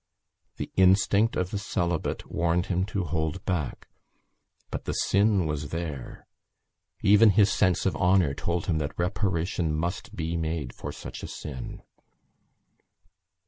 _ The instinct of the celibate warned him to hold back. But the sin was there; even his sense of honour told him that reparation must be made for such a sin.